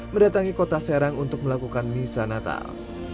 mendatangi kota serang untuk melakukan misa natal